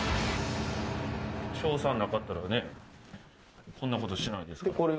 勝算なかったらねこんなことしないですから。